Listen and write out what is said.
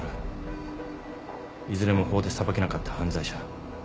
いずれも法で裁けなかった犯罪者。